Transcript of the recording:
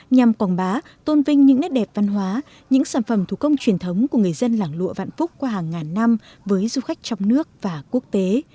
nhằm quảng bá tôn vinh những nét đẹp văn hóa những sản phẩm thủ công truyền thống của người dân làng lụa vạn phúc qua hàng ngàn năm với du khách trong nước và quốc tế